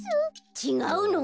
ちがうの？